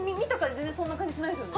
全然そんな感じしないですよね？